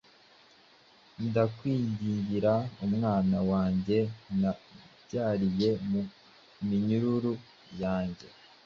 Ndakwingingira umwana wanjye nabyariye mu minyururu yanjye